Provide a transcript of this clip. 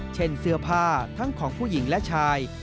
เช่นเสื้อผ้าทั้งของผู้หญิงและชาย